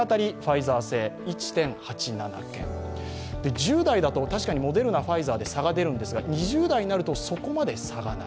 １０代だとモデルナ、ファイザーで差があるんですが２０代になるとそこまで差がない。